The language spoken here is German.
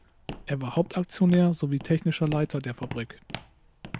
Er war Hauptaktionär sowie technischer Leiter der Fabrik.